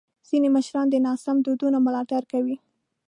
ځینې مشران د ناسم دودونو ملاتړ کوي.